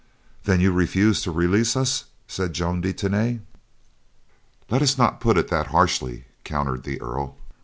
"Then you refuse to release us?" said Joan de Tany. "Let us not put it thus harshly," countered the Earl.